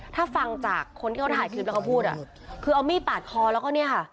ถ้าฟังจากคนที่เขาถ่ายคลิปแล้วเขาพูดอ่ะคือเอามีดปาดคอแล้วก็เนี่ยค่ะ